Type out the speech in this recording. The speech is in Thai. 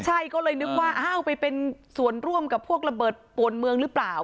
ใช่ก็เลยนึกว่าอ้าวไปเป็นส่วนร่วมกับพวกระเบิดปวนเมืองหรือเปล่า